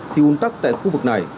thì un tắc tại khu vực này